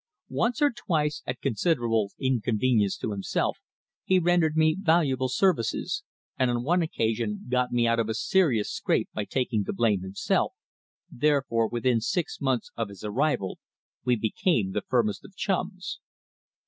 Once or twice, at considerable inconvenience to himself he rendered me valuable services, and on one occasion got me out of a serious scrape by taking the blame himself, therefore within six months of his arrival we became the firmest of chums.